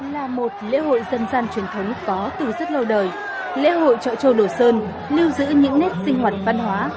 là một lễ hội dân gian truyền thống có từ rất lâu đời lễ hội trọi trâu đồ sơn lưu giữ những nét sinh hoạt văn hóa